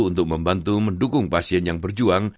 untuk membantu mendukung pasien yang berjuang